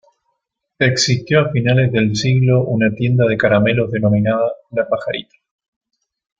Existió a finales del siglo una tienda de caramelos denominada "La Pajarita".